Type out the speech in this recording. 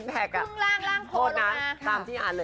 ต้นล่างผลออกมา